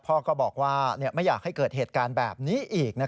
พ่อก็บอกว่าไม่อยากให้เกิดเหตุการณ์แบบนี้อีก